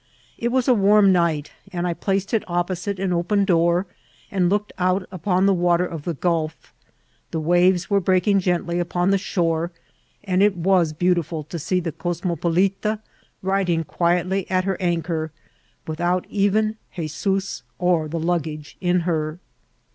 It was a warm night, and I placed il opposite an open door, and looked out upon the wa ter of the gulf. The waves were breaking gently upon the shore, and it was beautiful to see the Cosmopolita riding quietly at her anchor, without even 'Hezoos or the luggage in her.